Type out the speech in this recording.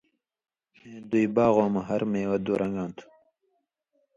اېں دُوئیں باغؤں مہ، ہر مېوہ دُو رَن٘گاں تھہ۔